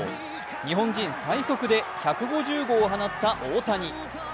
日本人最速で１５０号を放った大谷。